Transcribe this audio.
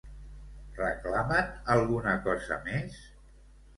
Reclamen alguna cosa més?